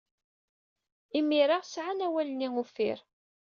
Imir-a, sɛan awal-nni uffir.